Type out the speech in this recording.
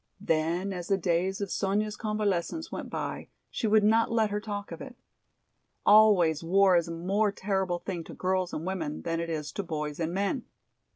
Then as the days of Sonya's convalescence went by she would not let her talk of it. Always war is a more terrible thing to girls and women than it is to boys and men.